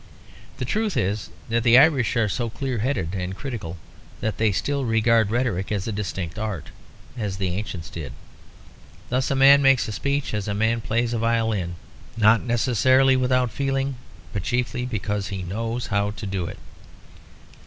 The truth is that the Irish are so clear headed and critical that they still regard rhetoric as a distinct art, as the ancients did. Thus a man makes a speech as a man plays a violin, not necessarily without feeling, but chiefly because he knows how to do it.